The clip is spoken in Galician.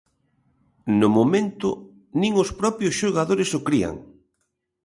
No momento, nin os propios xogadores o crían.